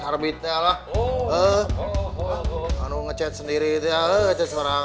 arbitnya lah nge chat sendiri tuh nge chat sama orang